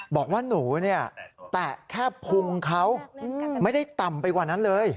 บอกว่าหนูเนี่ยแตะแค่พุงเขาไม่ได้ต่ำไปกว่านั้นเลย